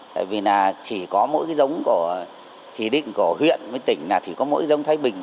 tại vì là chỉ có mỗi cái giống của chỉ định của huyện với tỉnh là chỉ có mỗi giống thái bình